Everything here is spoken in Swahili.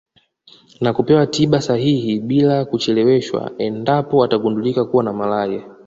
Na kupewa tiba sahihi bila kucheleweshwa endapo atagundulika kuwa na malaria